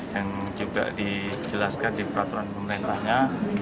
yang juga dijelaskan di peraturan pemerintahnya